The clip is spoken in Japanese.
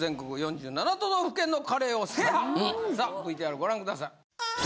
さあＶＴＲご覧下さい。